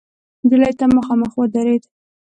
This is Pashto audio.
نجلۍ ته مخامخ ودرېد.